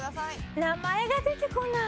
名前が出てこない。